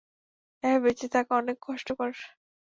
এভাবে বেঁচে থাকা অনেক কষ্টকর।